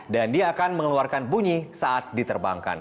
dan dia akan mengeluarkan bunyi saat diterbangkan